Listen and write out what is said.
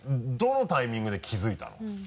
どのタイミングで気づいたの？